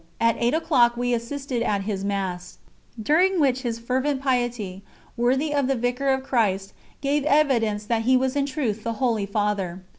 At eight o'clock we assisted at his Mass, during which his fervent piety, worthy of the Vicar of Christ, gave evidence that he was in truth the "Holy Father."